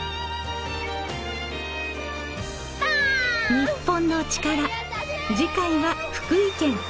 『日本のチカラ』次回は福井県。